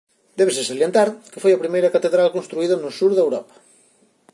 Débese salientar que foi a primeira catedral construída no sur de Europa.